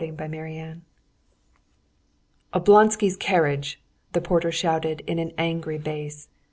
Chapter 9 "Oblonsky's carriage!" the porter shouted in an angry bass.